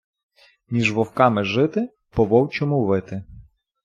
Між вовками жити, по-вовчому вити.